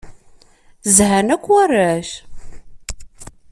Zhan akk warrac.